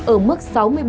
ở mức sáu mươi bảy chín